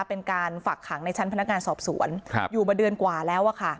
เป็นการฝักขังในชั้นพนักงานสอบสวนอยู่มาเดือนกว่าแล้ว